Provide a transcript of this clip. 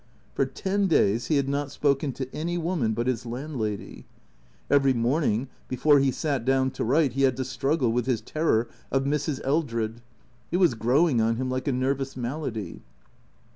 For ten days he had not spoken to any woman but his landlady. Every morning, before he sat down to write, he had to struggle with his terror of Mrs. Eldred. It was grow ing on him like a nervous malady.